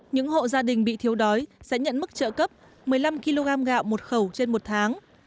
những hộ gia đình bị thiếu đói sẽ nhận mức trợ cấp một mươi năm kg gạo một khẩu trên một tháng